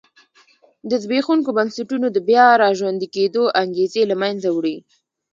د زبېښونکو بنسټونو د بیا را ژوندي کېدو انګېزې له منځه وړي.